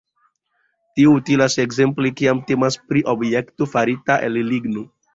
Tio utilas ekzemple, kiam temas pri objekto farita el ligno.